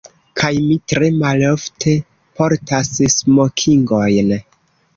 Kaj mi tre malofte portas smokingojn.